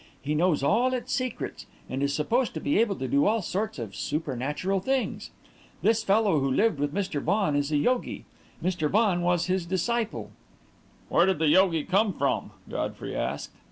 He knows all its secrets, and is supposed to be able to do all sorts of supernatural things. This fellow who lived with Mr. Vaughan is a yogi. Mr. Vaughan was his disciple." "Where did the yogi come from?" Godfrey asked.